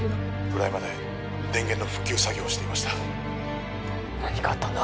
裏山で電源の復旧作業をしていました何かあったんだ